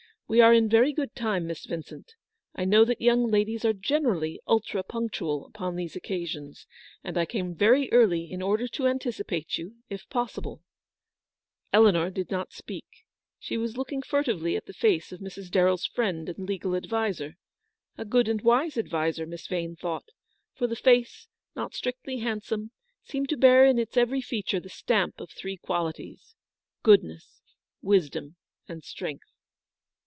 We are in very good time, Miss Vincent. I know that young ladies are generally ultra punctual upon these occasions ; and I came very early in order to anticipate you, if possible/' Eleanor did not speak. She was looking fur tively at the face of Mrs. Darrell's friend and legal adviser. A good and wise adviser, Miss Vane thought : for the face, not strictly hand some, seemed to bear in its every feature the stamp of three qualities — goodness, wisdom, and strength.